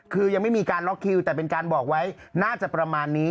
คือยังไม่มีการล็อกคิวแต่เป็นการบอกไว้น่าจะประมาณนี้